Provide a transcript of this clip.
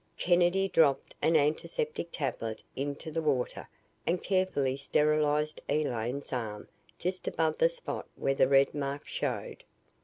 Kennedy dropped an antiseptic tablet into the water and carefully sterilized Elaine's arm just above the spot where the red mark showed.